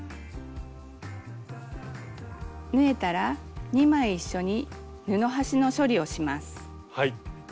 縫えたら２枚一緒に布端の処理をします。